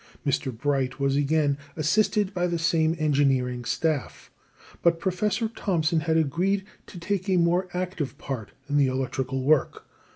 Mr. Bright was again assisted by the same engineering staff, but Professor Thomson had agreed to take a more active part in the electrical work.